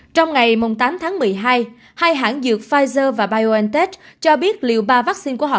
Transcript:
trong ngày tám tháng một mươi hai hai hãng dược pfizer và biontech cho biết liệu ba vaccine của họ